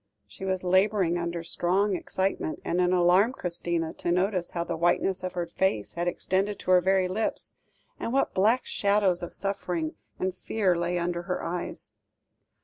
She was labouring under strong excitement, and it alarmed Christina to notice how the whiteness of her face had extended to her very lips, and what black shadows of suffering and fear lay under her eyes.